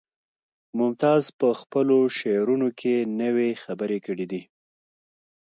ممتاز په خپلو شعرونو کې نوې خبرې کړي دي